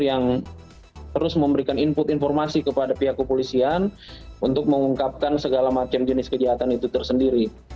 yang terus memberikan input informasi kepada pihak kepolisian untuk mengungkapkan segala macam jenis kejahatan itu tersendiri